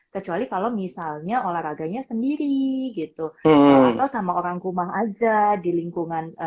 kecuali kalau misalnya olahraganya sendiri gitu atau sama orang rumah aja di lingkungan